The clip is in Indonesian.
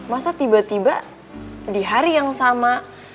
masa tiba tiba di hari yang sama